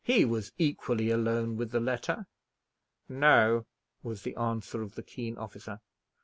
"He was equally alone with the letter." "No," was the answer of the keen officer.